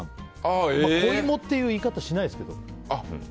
小芋っていう言い方はしないですよ。